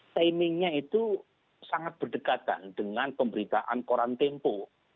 timingnya itu sangat berdekatan dengan pemberitaan koran tempo